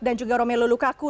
dan juga romelu lukaku